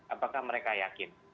apakah mereka yakin